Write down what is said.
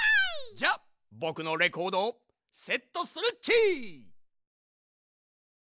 じゃあぼくのレコードをセットするっち。